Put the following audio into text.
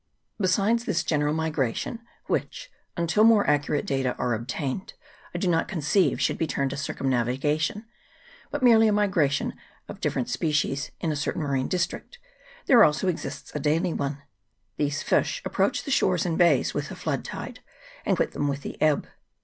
Besides this general migration, which, until more accurate data are obtained, I do not conceive should be termed a circumnavigation, but merely a migra tion of different species in a certain marine district, there exists also a daily one. These fish approach the shores and bays with the flood tide, and quit them with the ebb.